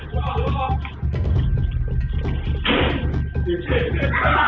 สวัสดีครับวันนี้เราจะกลับมาเมื่อไหร่